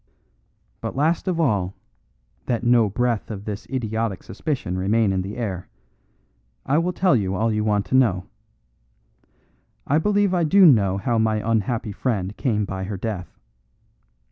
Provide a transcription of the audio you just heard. "But last of all, that no breath of this idiotic suspicion remain in the air, I will tell you all you want to know. I believe I do know how my unhappy friend came by her death.